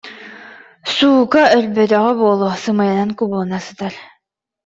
Суука, өлбөтөҕө буолуо, сымыйанан кубулуна сытар